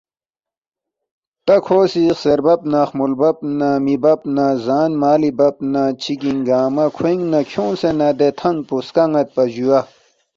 تا کھو سی خسیر بب نہ خمُول بب نہ می بب نہ زان مالی بب نہ چِگنگ گنگمہ کھوینگ نہ کھیونگسے نہ دے تھنگ پو سکن٘یدپا جُویا